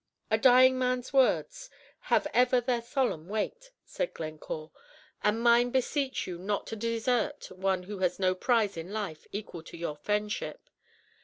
"A dying man's words have ever their solemn weight," said Glencore, "and mine beseech you not to desert one who has no prize in life equal to your friendship.